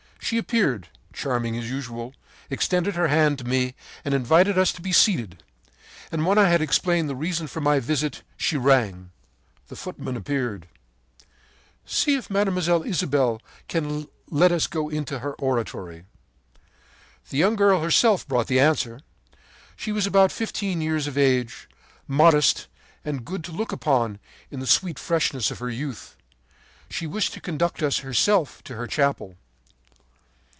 She appeared, charming as usual, extended her hand to me and invited us to be seated; and when I had explained the reason of my visit, she rang. “The footman appeared. “'See if Mlle. Isabelle can let us go into her oratory.' The young girl herself brought the answer. She was about fifteen years of age, modest and good to look upon in the sweet freshness of her youth. She wished to conduct us herself to her chapel.